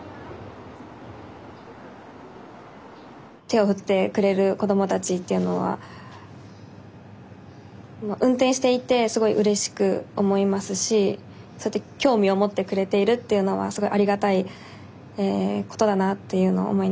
手を振ってくれる子供たちっていうのは運転していてすごいうれしく思いますしそうやって興味を持ってくれているっていうのはすごいありがたいことだなっていうのを思いながら運転しています。